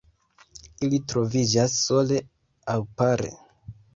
Ili troviĝas sole aŭ pare.